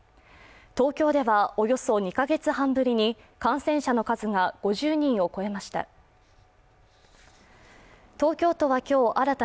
東京ではおよそ２カ月半ぶりに感染者の数が５０人を超えました。